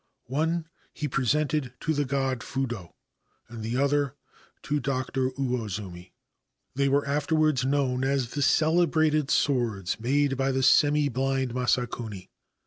One he presented to the god Fudo, and the other to Doctor Uozumi. They were afterwards known as the celebrated swords made by the semi blind Masakuni.